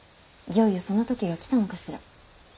いよいよその時が来たのかしら。